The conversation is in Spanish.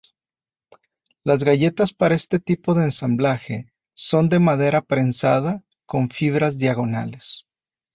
Las galletas para este tipo de ensamblaje son de madera prensada con fibras diagonales.